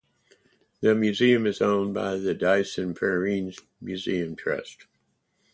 The museum is owned by the Dyson Perrins Museum Trust.